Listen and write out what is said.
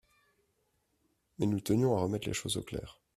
mais nous tenions à remettre les choses au clair.